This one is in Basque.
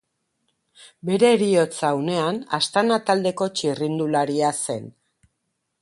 Bere heriotza unean Astana taldeko txirrindularia zen.